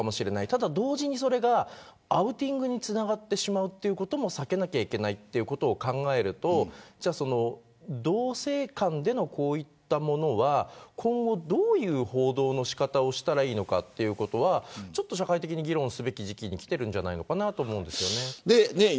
ただ同時にそれがアウティングにつながってしまうことも避けなきゃいけないことを考えると同性間のこういったものは今後どういう報道の仕方をしたらいいのかということは社会的に議論をするべき時期にきているんじゃないかと思います。